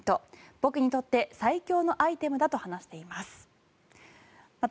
僕にとって最強のアイテムだと話しています。